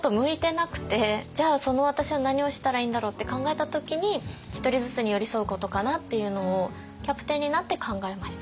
じゃあその私は何をしたらいいんだろうって考えた時にひとりずつに寄り添うことかなっていうのをキャプテンになって考えました。